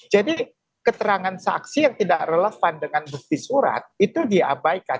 jadi keterangan saksi yang tidak relevan dengan bukti surat itu diabaikan